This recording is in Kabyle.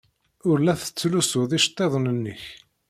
Ur la tettlusuḍ iceḍḍiḍen-nnek.